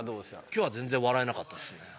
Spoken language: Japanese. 今日は全然笑えなかったっすね。